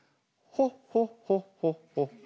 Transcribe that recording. ホッホッホッホ。